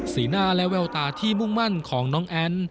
หน้าและแววตาที่มุ่งมั่นของน้องแอ้น